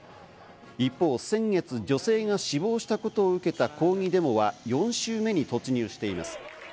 一方、先月女性が死亡したことを受けた抗議デモは４週目に突入しています。